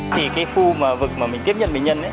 thì cái khu vực mà mình tiếp nhận bệnh nhân ấy